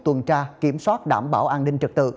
tuần tra kiểm soát đảm bảo an ninh trật tự